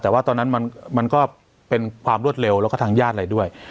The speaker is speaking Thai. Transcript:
แต่ว่าตอนนั้นมันก็เป็นความรวดเร็วแล้วก็ทางญาติอะไรด้วย